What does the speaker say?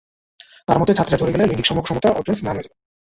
তাঁর মতে, ছাত্রীরা ঝরে পড়লে লৈঙ্গিক সমতা অর্জন ম্লান হয়ে যাবে।